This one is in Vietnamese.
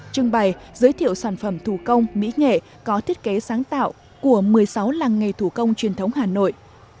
trưng bày giới thiệu sản phẩm thủ công mỹ nghệ có thiết kế sáng tạo của một mươi sáu làng nghề thủ công truyền thống hà nội